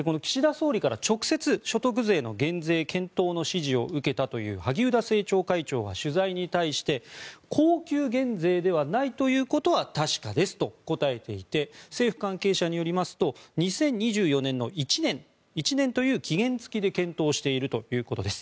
総理から直接所得税の減税検討の指示を受けたという萩生田政調会長は取材に対して恒久減税ではないということは確かですと答えていて政府関係者によりますと２０２４年の１年という期限付きで検討しているということです。